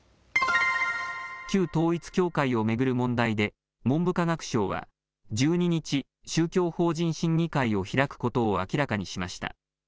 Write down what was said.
旧統一教会を巡る問題で文部科学省は１２日、宗教法人審議会を開くことを明らかにしました。